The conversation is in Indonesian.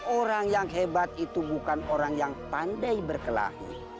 orang yang hebat itu bukan orang yang pandai berkelahi